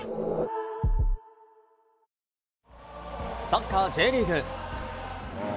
サッカーＪリーグ。